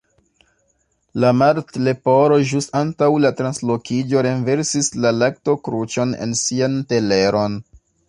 La Martleporo ĵus antaŭ la translokiĝo renversis la laktokruĉon en sian teleron